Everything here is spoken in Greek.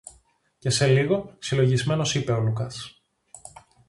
Και σε λίγο, συλλογισμένος είπε ο Λουκάς: